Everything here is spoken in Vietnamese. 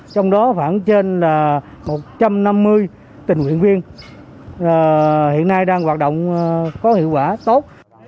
trong đó khoảng trên một trăm năm mươi tình nguyện viên hiện nay đang hoạt động có hiệu quả tốt